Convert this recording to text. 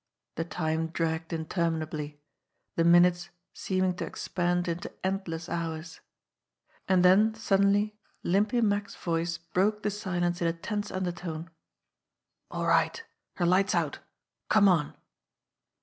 The time dragged interminably, the minutes seeming to expand into endless hours. And then suddenly Limpy Mack's voice broke the silence in a tense undertone : "All right ! Her light's out. Come on